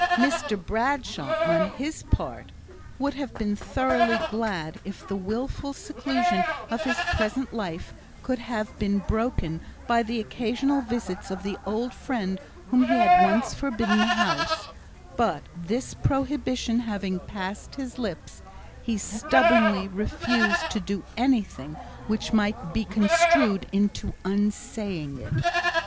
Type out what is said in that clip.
Mr Bradshaw, on his part, would have been thoroughly glad if the wilful seclusion of his present life could have been broken by the occasional visits of the old friend whom he had once forbidden the house; but this prohibition having passed his lips, he stubbornly refused to do anything which might be construed into unsaying it.